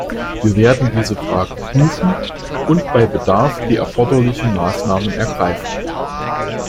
Wir werden diese Frage prüfen und bei Bedarf die erforderlichen Maßnahmen ergreifen.